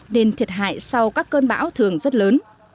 nên thiệt hại sau các cơn bão thường rất lớn